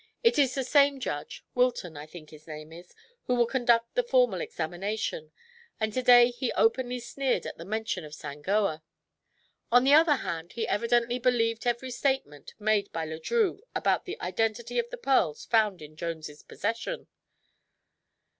It is this same judge Wilton, I think his name is who will conduct the formal examination, and to day he openly sneered at the mention of Sangoa. On the other hand, he evidently believed every statement made by Le Drieux about the identity of the pearls found in Jones' possession.